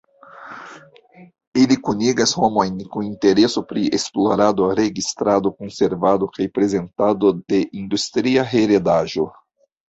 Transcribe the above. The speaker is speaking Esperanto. Ili kunigas homojn kun intereso pri esplorado, registrado, konservado kaj prezentado de industria heredaĵo.